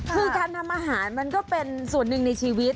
คือการทำอาหารมันก็เป็นส่วนหนึ่งในชีวิต